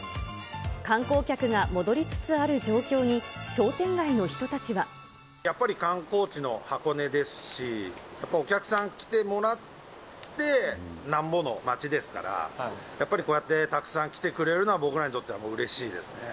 観光客が戻りつつある状況に、やっぱり観光地の箱根ですし、やっぱお客さん来てもらってなんぼの街ですから、やっぱりこうやってたくさん来てくれるのは、僕らにとってはうれしいですね。